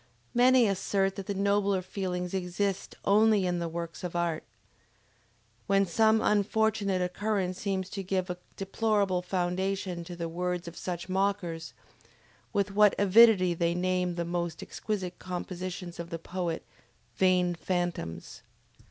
Many assert that the nobler feelings exist only in the works of art. When some unfortunate occurrence seems to give a deplorable foundation to the words of such mockers, with what avidity they name the most exquisite conceptions of the poet, "vain phantoms!"